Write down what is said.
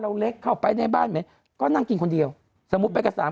เล็กเข้าไปในบ้านไหมก็นั่งกินคนเดียวสมมุติไปกับสาม